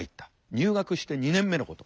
入学して２年目のこと。